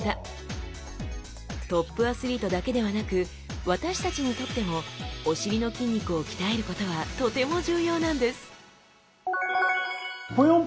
トップアスリートだけではなく私たちにとってもお尻の筋肉を鍛えることはとても重要なんですえ